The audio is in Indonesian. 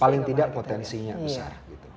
paling tidak potensinya besar